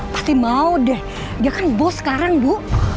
pasti mau deh dia kan bos sekarang bu